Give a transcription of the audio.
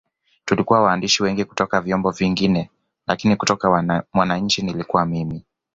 Tulikuwa waandishi wengi kutoka vyombo vingine lakini kutoka Mwananchi nilikuwa mimi